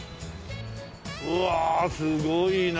うわすごいな。